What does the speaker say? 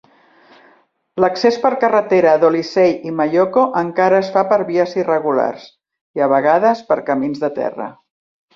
L'accés per carretera a Dolisie i Mayoko encara es fa per vies irregulars i a vegades per camins de terra.